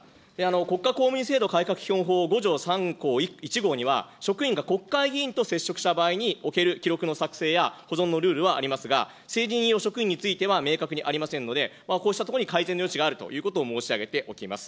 国家公務員制度改革法５条３項１号には、職員が国会議員と接触した場合における記録の作成や保存のルールはありますが、政治任用職員については明確にありませんので、こうしたところに改善の余地があるということを申し上げておきます。